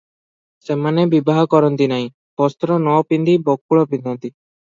ସେମାନେ ବିବାହ କରନ୍ତି ନାହିଁ ; ବସ୍ତ୍ର ନ ପିନ୍ଧି ବକୁଳ ପିନ୍ଧନ୍ତି ।